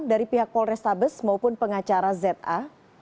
dari pihak polresta besurabaya maupun pengacara za